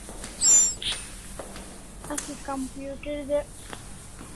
Asi computer dyek